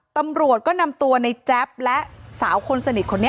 ตำรวจก็นำตัวในแจ๊บและสาวคนสนิทคนนี้